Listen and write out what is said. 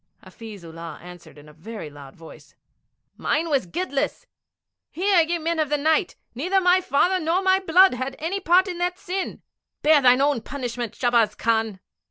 Hafiz Ullah answered in a very loud voice, 'Mine was guiltless. Hear, ye Men of the Night, neither my father nor my blood had any part in that sin. Bear thou thy own punishment, Shahbaz Khan.'